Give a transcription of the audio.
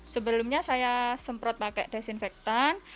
sebelumnya saya semprot pakai desinfektan